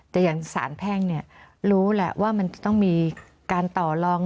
แต่อย่างสารแพ่งเนี่ยรู้แหละว่ามันจะต้องมีการต่อลอง